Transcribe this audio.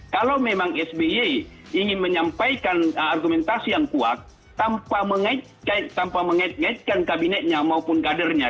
kalau memang sby ingin menyampaikan argumentasi yang kuat tanpa mengait ngaitkan kabinetnya maupun kadernya